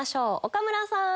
岡村さん。